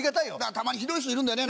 たまにひどい人いるんだよね。